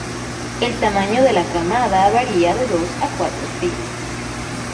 El tamaño de la camada varía de dos a cuatro crías.